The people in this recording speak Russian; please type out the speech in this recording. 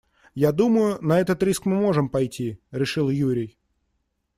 «Я думаю, на этот риск мы можем пойти», - решил Юрий.